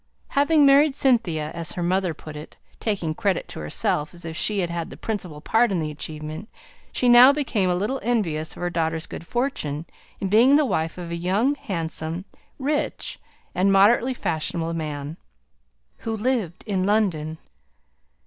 Having married Cynthia, as her mother put it taking credit to herself as if she had had the principal part in the achievement she now became a little envious of her daughter's good fortune in being the wife of a young, handsome, rich, and moderately fashionable man, who lived in London.